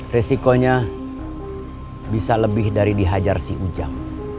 risikonya bisa lebih dari dihajar si ujang